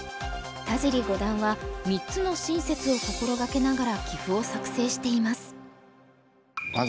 田尻五段は３つの親切を心がけながら棋譜を作成しています。